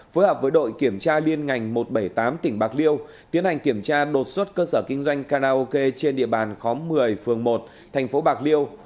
phối hợp với đội kiểm tra liên ngành một trăm bảy mươi tám tỉnh bạc liêu tiến hành kiểm tra đột xuất cơ sở kinh doanh karaoke trên địa bàn khóm một mươi phường một thành phố bạc liêu